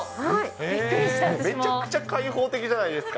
びっくりした、めちゃくちゃ開放的じゃないですか。